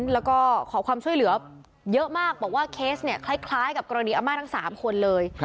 แล้วก็ขอความช่วยเหลือเยอะมากบอกว่าเคสเนี่ยคล้ายกับกรณีอาม่าทั้ง๓คนเลย